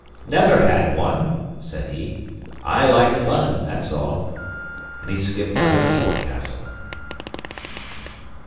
"Never had one," said he. "I like fun, that's all." And he skipped out of the forecastle.